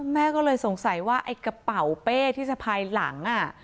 แม่ก็เลยสงสัยว่าไอ้กระเป๋าเป้ที่สะพายหลัง